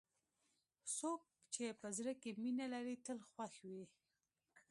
څوک چې په زړه کې مینه لري، تل خوښ وي.